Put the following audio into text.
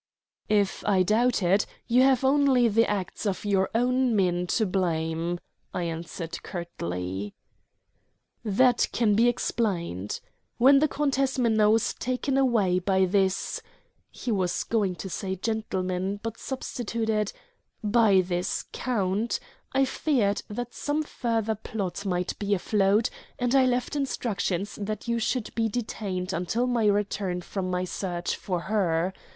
"If I doubt it, you have only the acts of your own men to blame," I answered curtly. "That can be explained. When the Countess Minna was taken away by this" he was going to say gentleman, but substituted "by this count, I feared that some further plot might be afloat, and I left instructions that you should be detained until my return from my search for her.